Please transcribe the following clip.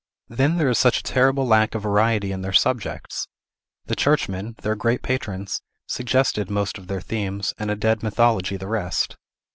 Then there is such a terrible lack of variety in their subjects. The churchmen, their great patrons, suggested most of their themes, and a dead mythology the rest.